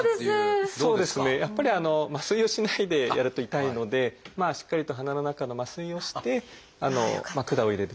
やっぱり麻酔をしないでやると痛いのでしっかりと鼻の中の麻酔をして管を入れる。